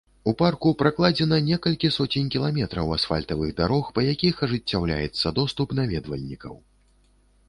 У парку пракладзена некалькі соцень кіламетраў асфальтавых дарог, па якіх ажыццяўляецца доступ наведвальнікаў.